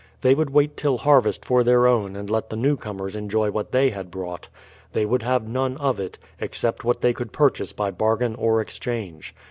They would wait till harvest for their own and let the new comers enjoy what they had brought; they would have none of it, except what they could purchase by bargain or exchange.